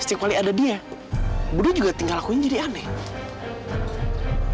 setiap kali ada dia budde juga tinggal lakuin jadi aneh